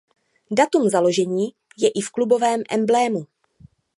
Datum založení je i v klubovém emblému.